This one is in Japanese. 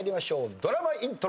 ドラマイントロ。